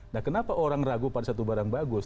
nah kenapa orang ragu pada satu barang bagus